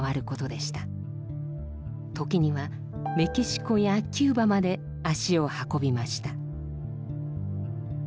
時にはメキシコやキューバまで足を運びました。